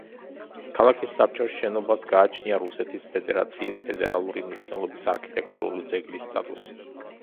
ქალაქის საბჭოს შენობას გააჩნია რუსეთის ფედერაციის ფედერალური მნიშვნელობის არქიტექტურული ძეგლის სტატუსი.